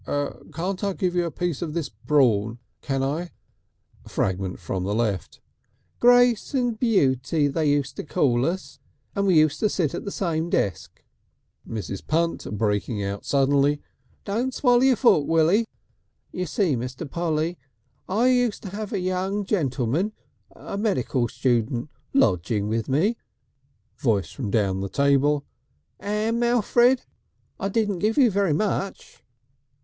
Can't give you a piece of this brawn, can I?" Fragment from the left: "Grace and Beauty they used to call us and we used to sit at the same desk " Mrs. Punt, breaking out suddenly: "Don't swaller your fork, Willy. You see, Mr. Polly, I used to 'ave a young gentleman, a medical student, lodging with me " Voice from down the table: "'Am, Alfred? I didn't give you very much."